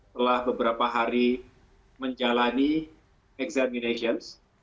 telah beberapa hari menjalani examinations